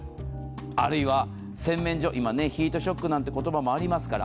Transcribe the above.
あるいは洗面所、今ヒートショックなんていう言葉もありますから。